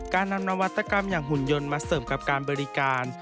การนำนวัตกรรมอย่างหุ่นยนต์มาเสริมกับการบริการ